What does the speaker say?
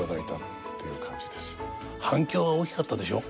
反響は大きかったでしょ？